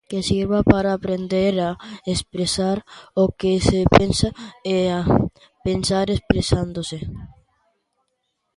Que sirva para aprender a expresar o que se pensa e a pensar expresándose?